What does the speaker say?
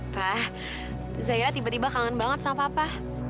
pak zahira tiba tiba kangen banget sama papa